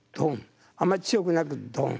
あんまり強くなく「ドン」。